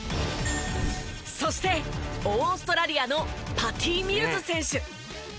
そしてオーストラリアのパティ・ミルズ選手。